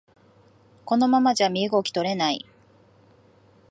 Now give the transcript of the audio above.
このままじゃ身動き取れない